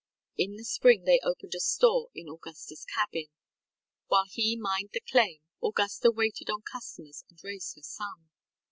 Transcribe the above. In the spring they opened a store in AugustaŌĆÖs cabin. While he mined the claim, Augusta waited on customers and raised her son.